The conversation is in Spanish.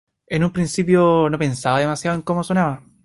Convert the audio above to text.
En un principio, no pensaba demasiado en cómo sonaba.